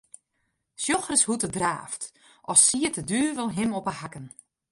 Sjoch ris hoe't er draaft, as siet de duvel him op 'e hakken.